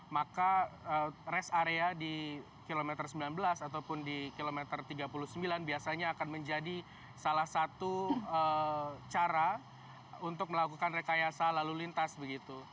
maka rest area di kilometer sembilan belas ataupun di kilometer tiga puluh sembilan biasanya akan menjadi salah satu cara untuk melakukan rekayasa lalu lintas begitu